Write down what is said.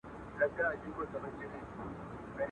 توري شپې سوې سپیني ورځي ښار سینګار سو.